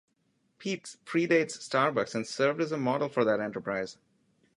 Peet's predates Starbucks and served as a model for that enterprise.